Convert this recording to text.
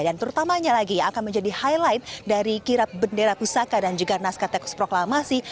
dan terutamanya lagi akan menjadi highlight dari kirap bendera pusaka dan juga naskah teks proklamasi